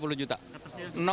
rp sepuluh sampai rp sepuluh